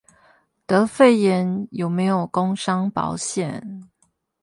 得肺炎有沒有工傷保險